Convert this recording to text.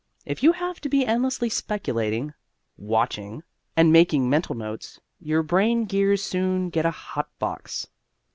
If you have to be endlessly speculating, watching, and making mental notes, your brain gears soon get a hot box.